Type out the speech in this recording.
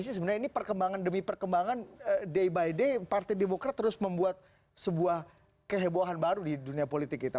sebenarnya ini perkembangan demi perkembangan day by day partai demokrat terus membuat sebuah kehebohan baru di dunia politik kita